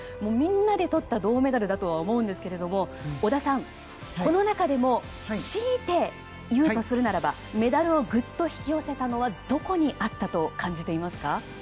みんなでとった銅メダルだとは思うんですけど織田さん、この中でもしいて言うとするならばメダルをグッと引き寄せたのはどこにあったと感じていますか？